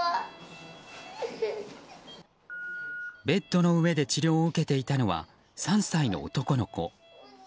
ベッドの上で治療を受けていたのは３歳の男の子。